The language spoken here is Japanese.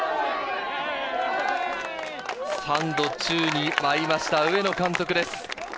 ３度、宙に舞いました、上野監督です。